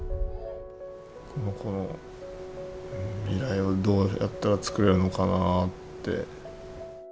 この子の未来をどうやったら作れるのかなって。